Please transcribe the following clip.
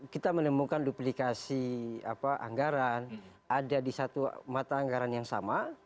kita menemukan duplikasi anggaran ada di satu mata anggaran yang sama